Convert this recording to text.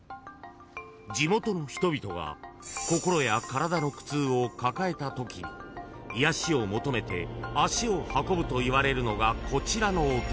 ［地元の人々が心や体の苦痛を抱えたとき癒やしを求めて足を運ぶといわれるのがこちらのお寺］